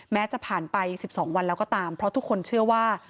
จะผ่านไป๑๒วันแล้วก็ตามเพราะทุกคนเชื่อว่า